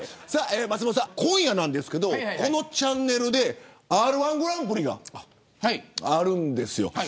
松本さん、今夜なんですけどこのチャンネルでＲ‐１グランプリあるんですよ。